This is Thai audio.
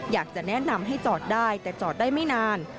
อยากจะแนะนำให้จอดได้แต่จอดได้ไม่นาน